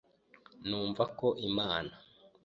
Numva ko mama